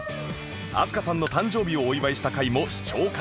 飛鳥さんの誕生日をお祝いした回も視聴可能